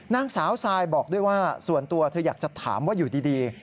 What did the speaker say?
นางสาวซายบอกด้วยว่าส่วนตัวเธออยากจะถามว่าอยู่ดี